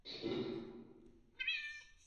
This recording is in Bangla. আজ রান্নাটা কী হয়েছে বলো দেখি।